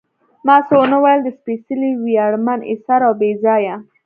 ما څه ونه ویل، د سپېڅلي، ویاړمن، اېثار او بې ځایه.